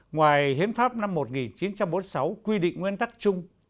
ngoài hiến pháp năm một nghìn chín trăm bốn mươi sáu quy định nguyên tắc chung